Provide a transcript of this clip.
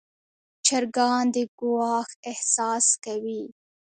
چرګان د ګواښ احساس کوي.